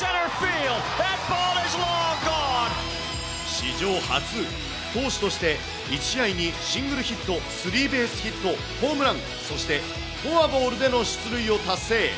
史上初、投手として１試合にシングルヒット、スリーベースヒット、ホームラン、そしてフォアボールでの出塁を達成。